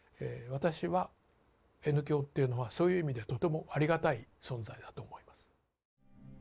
私はＮ響っていうのはそういう意味でとてもありがたい存在だと思います。